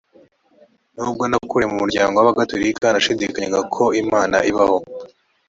nubwo nakuriye mu muryango w ‘abagatolika, nashidikanyaga ko imana ibaho.